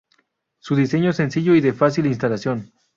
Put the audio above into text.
Su diseño sencillo y de fácil instalación.